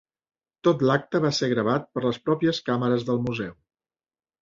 Tot l'acte va ser gravat per les pròpies càmeres del museu.